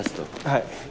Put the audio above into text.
はい。